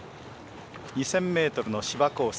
２０００ｍの芝コース。